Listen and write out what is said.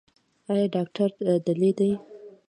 ایا ډاکټر دلې دی؟